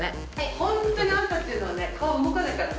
本当にあんたっていうのはね、顔動かないからね。